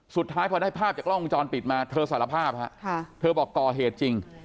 สุดท้ายพอได้ภาพจากกล้องวงจรปิดมาเธอสารภาพฮะเธอบอกก่อเหตุจริง